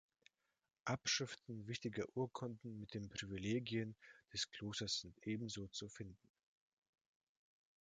Abschriften wichtiger Urkunden mit den Privilegien des Klosters sind ebenso zu finden.